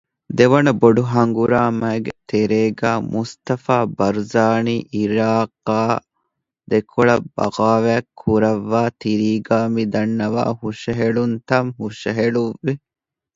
ދެވަނަ ބޮޑު ހަނގުރާމައިގެ ތެރޭގައި މުޞްޠަފާ ބަރުޒާނީ ޢިރާޤާ ދެކޮޅަށް ބަޣާވާތް ކުރައްވައި ތިރީގައި މިދަންނަވާ ހުށަހެޅުންތައް ހުށަހެޅުއްވި